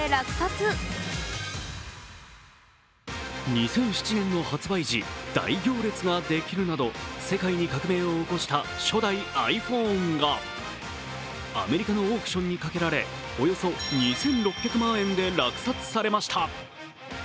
２００７年の発売時、大行列ができるなど世界に革命を起こした初代ｉＰｈｏｎｅがアメリカのオークションにかけられおよそ２６００万円で落札されました。